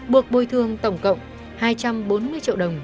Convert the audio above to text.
buộc bồi thương tổng cộng hai trăm bốn mươi triệu đồng